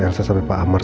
ibu elsa dan pak ambar